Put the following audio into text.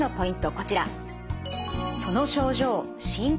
こちら。